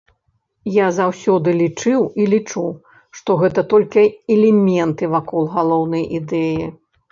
Я заўсёды лічыў і лічу, што гэта толькі элементы вакол галоўнай ідэі.